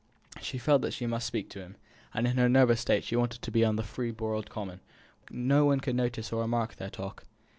She felt that she must speak to him, and in her nervous state she wanted to be out on the free broad common, where no one could notice or remark their talk.